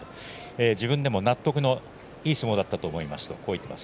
自分でも納得のいく相撲だったと思いますとこう言っています。